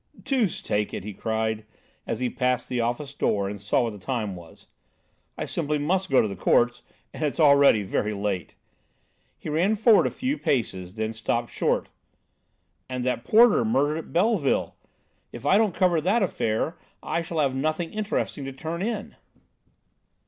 "Deuce take it!" he cried as he passed the office door and saw what the time was. "I simply must go to the courts, and it's already very late...." He ran forward a few paces, then stopped short. "And that porter murdered at Belleville!... If I don't cover that affair I shall have nothing interesting to turn in...."